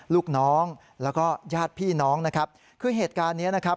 ลูกน้องแล้วก็ญาติพี่น้องนะครับคือเหตุการณ์เนี้ยนะครับ